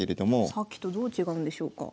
さっきとどう違うんでしょうか？